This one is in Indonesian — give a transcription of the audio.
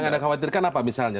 yang anda khawatirkan apa misalnya